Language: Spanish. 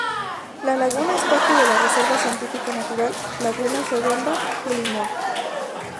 La laguna es parte de la reserva científica natural lagunas Redonda y Limón.